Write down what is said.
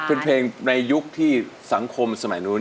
เป็นเพลงในยุคที่สังคมสมัยนู้น